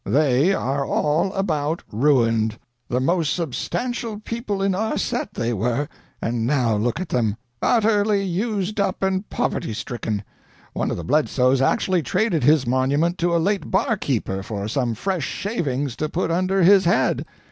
They are all about ruined. The most substantial people in our set, they were. And now look at them utterly used up and poverty stricken. One of the Bledsoes actually traded his monument to a late barkeeper for some fresh shavings to put under his head.